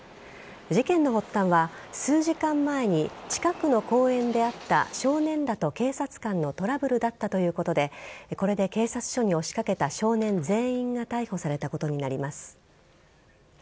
事件の発端は数時間前に近くの公園であった少年らと警察官のトラブルだったということでこれで警察署に押しかけた少年全員が逮捕されたことになります。